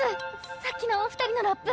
さっきのお二人のラップ